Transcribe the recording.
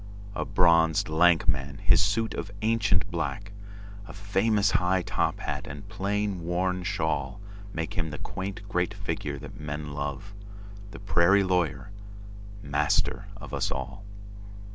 A bronzed, lank man! His suit of ancient black,A famous high top hat and plain worn shawlMake him the quaint great figure that men love, The prairie lawyer, master of us all.